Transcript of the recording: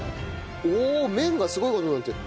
おお麺がすごい事になってる！